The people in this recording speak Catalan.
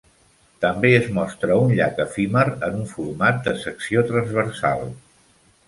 També es mostra un llac efímer en un format de secció transversal.